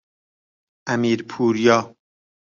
امیرپوریا